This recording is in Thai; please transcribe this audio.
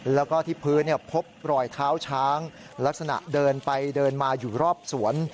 แล้วก็ที่พื้นพบรอยเท้าช้างลักษณะเดินไปเดินมาอยู่รอบสวน